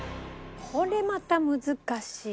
これまた難しいね。